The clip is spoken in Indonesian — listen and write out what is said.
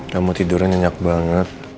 kamu tidurnya nyenyak banget